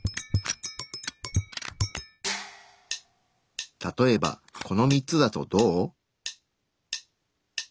例えばこの３つだとどう？